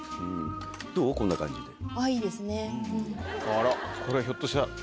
あらこれはひょっとしたら。